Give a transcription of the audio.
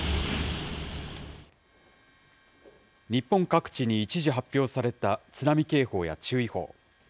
日本各地に一時発表された津波警報や注意報。